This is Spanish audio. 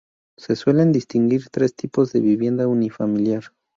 Se suelen distinguir tres tipos de vivienda unifamiliar.